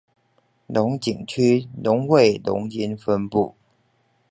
龍井區農會龍津分部